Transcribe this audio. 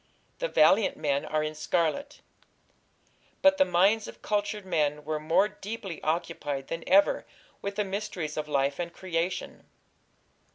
The valiant men are in scarlet." But the minds of cultured men were more deeply occupied than ever with the mysteries of life and creation.